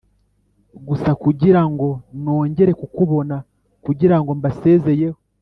gusa kugirango nongere kukubona, kugirango mbasezeyeho.